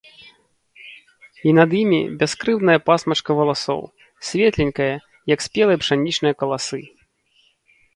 І над імі - бяскрыўдная пасмачка валасоў, светленькая, як спелыя пшанічныя каласы.